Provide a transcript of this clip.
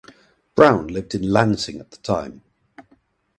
Brown lived in Lansing at the time.